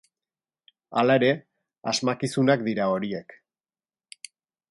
Hala ere, asmakizunak dira horiek.